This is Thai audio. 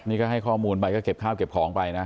นี่ก็ให้ข้อมูลไปก็เก็บข้าวเก็บของไปนะ